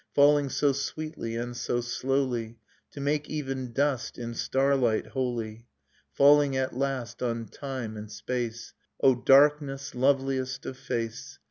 Falling so sweetly and so slowly To make even dust in starlight holy. Falling at last on time and space, — O darkness, — loveliest of face